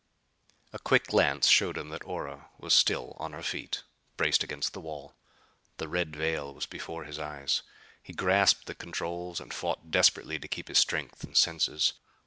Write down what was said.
A quick glance showed him that Ora was still on her feet, braced against the wall. The red veil was before his eyes. He grasped the controls, and fought desperately to keep his strength and senses.